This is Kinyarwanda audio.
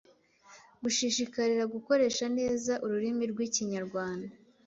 Gushishikarira gukoresha neza ururimi rw’Ikinyarwanda.